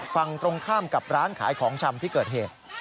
ฝั่งตรงข้ามกับร้านขายของชำที่เกิดเหตุ